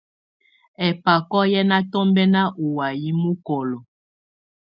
Ɛ́bákɔ́ yɛ́ ná tɔmbɛ́na ú wayɛ̀á mɔkɔlɔ.